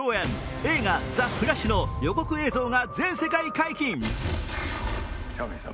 映画「ザ・フラッシュ」の予告映像が全世界解禁。